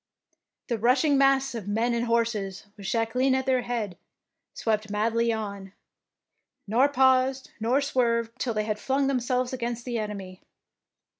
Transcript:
The rushing mass of men and horses, with Jacqueline at their head, swept madly on, nor paused nor swerved till they had flung themselves against the enemy.